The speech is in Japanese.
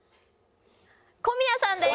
小宮さんです。